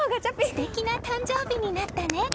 素敵な誕生日になったね。